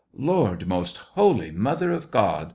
"Lord, Most Holy Mother of God!"